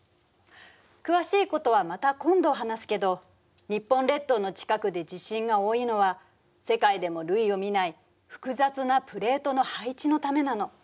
詳しいことはまた今度話すけど日本列島の近くで地震が多いのは世界でも類を見ない複雑なプレートの配置のためなの。